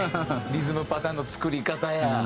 リズムパターンの作り方や。